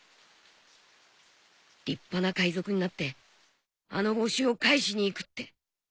立派な海賊になってあの帽子を返しに行くって。